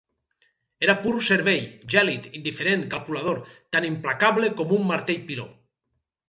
Era pur cervell, gèlid, indiferent, calculador, tan implacable com un martell piló.